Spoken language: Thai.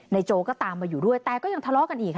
โจก็ตามมาอยู่ด้วยแต่ก็ยังทะเลาะกันอีกค่ะ